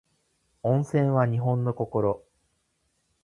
温泉は日本の心